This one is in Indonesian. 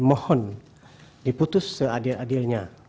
mohon diputus seadil adilnya